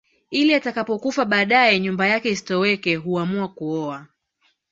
Ili atakapokufa baadae nyumba yake isitoweke huamua kuoa